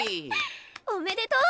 おめでとう！